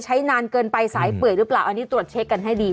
นานเกินไปสายเปื่อยหรือเปล่าอันนี้ตรวจเช็คกันให้ดี